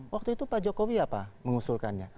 waktu itu pak jokowi apa mengusulkannya